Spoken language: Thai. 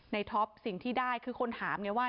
ท็อปสิ่งที่ได้คือคนถามไงว่า